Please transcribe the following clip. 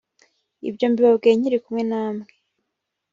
ibyo mbibabwiye nkiri kumwe namwe